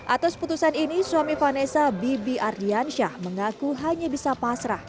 atas putusan ini suami vanessa bibi ardiansyah mengaku hanya bisa pasrah